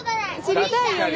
知りたいよね？